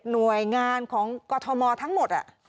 หน่วยงานของกรทมทั้งหมด